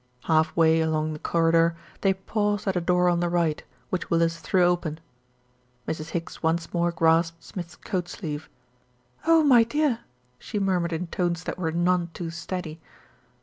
Half way along the corridor, they paused at a door on the right, which Willis threw open. Mrs. Higgs once more grasped Smith's coat sleeve. "Oh, my dear !" she murmured in tones that were none too steady.